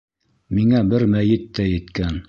Миңә бер мәйет тә еткән...